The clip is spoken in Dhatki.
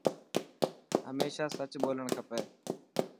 هميشه سچ ٻولڻ کپي.